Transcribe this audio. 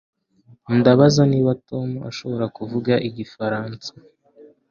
Ndabaza niba Tom ashobora kuvuga igifaransa